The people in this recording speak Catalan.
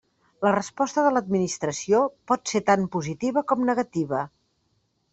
La resposta de l'administració pot ser tant positiva com negativa.